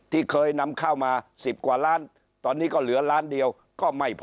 ที่เคยนำเข้ามา๑๐กว่าล้านตอนนี้ก็เหลือล้านเดียวก็ไม่พอ